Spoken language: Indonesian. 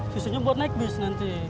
sisinya buat naik bus nanti